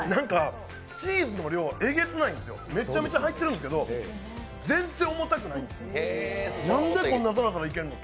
チーズの量がえげつないんですよ、めっちゃ入ってるんですけど全然重たくない、なんでこんなサラサラいけんの？